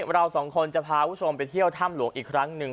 เราสองคนจะพาคุณผู้ชมไปเที่ยวถ้ำหลวงอีกครั้งหนึ่ง